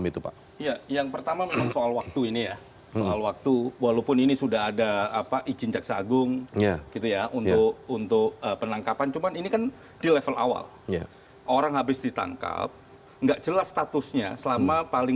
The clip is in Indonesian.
tidak jangan sampai